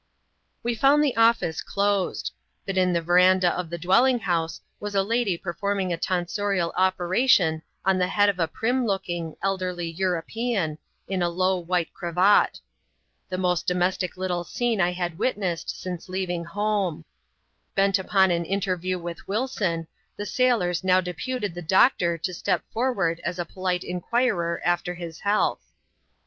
We found the office closed; but in the verandah of the dweUing'bouse was a lady performing a toiiaoT\«\ Q^<2t%JCv>rcL <otl tie head of a prim looking, elderly EiUTO^peaxi/v^ ^Vy«,^\ssX& 198 ADVENTURES IN THE SOUTH SEAS. IcEMSf.'U. cravat ;— the most domestic little scene I had witnessed since leaving home. Bent upon an interview with Wilson, the sailors now deputed the doctor to step forward as a polite inquirer after his health.